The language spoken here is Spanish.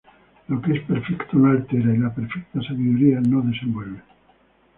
Lo que es perfecto no altera y la perfecta sabiduría no desenvuelve.